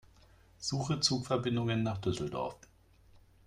Suche Zugverbindungen nach Düsseldorf.